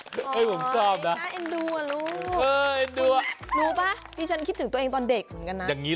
สวัสดีครับทุกคน